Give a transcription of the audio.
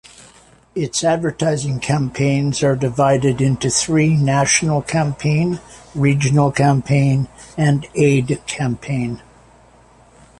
Its advertising campaigns are divided into three; national campaign, regional campaign and aid campaign.